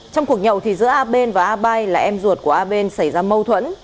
trong cuộc nhậu giữa a bên và a bai là em ruột của a bên xảy ra mâu thuẫn